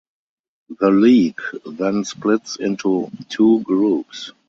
The league then splits into two groups.